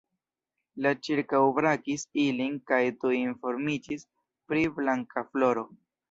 Li ĉirkaŭbrakis ilin kaj tuj informiĝis pri Blankafloro.